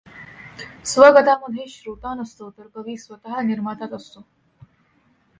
स्वगतामध्ये श्रोता नसतो तर कवी स्वत निर्माताच असतो.